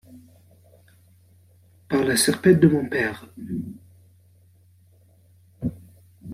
Par la serpette de mon père!